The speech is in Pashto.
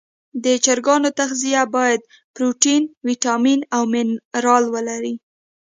د چرګانو تغذیه باید پروټین، ویټامین او منرال ولري.